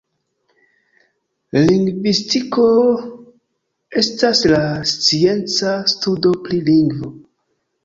Lingvistiko estas la scienca studo pri lingvo.